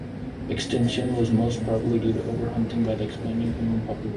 Extinction was most probably due to overhunting by the expanding human population.